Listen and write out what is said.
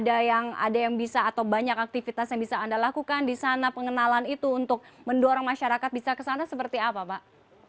ada yang bisa atau banyak aktivitas yang bisa anda lakukan di sana pengenalan itu untuk mendorong masyarakat bisa kesana seperti apa pak